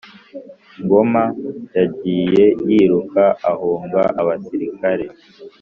Ngoma yagiye yiruka ahunga abasirikare